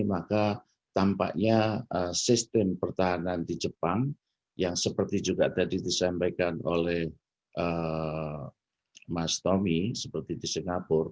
maka tampaknya sistem pertahanan di jepang yang seperti juga tadi disampaikan oleh mas tommy seperti di singapura